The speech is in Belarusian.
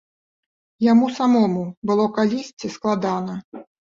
Яму самому было калісьці складана.